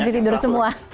masih tidur semua